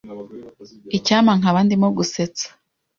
Icyampa nkaba ndimo gusetsa.